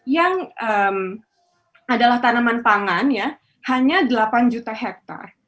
yang adalah tanaman pangan ya hanya delapan juta hektare